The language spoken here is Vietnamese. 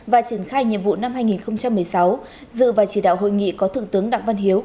và triển khai nhiệm vụ năm hai nghìn một mươi sáu dự và chỉ đạo hội nghị có thượng tướng đặng văn hiếu